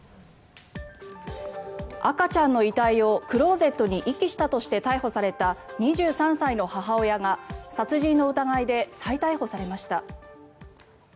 赤ちゃんの遺体をクローゼットに遺棄したとして逮捕された２３歳の母親が殺人の疑いで再逮捕されました。